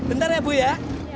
bentar ya bu ya